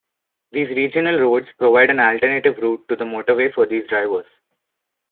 These regional roads provide an alternative route to the motorway for these drivers.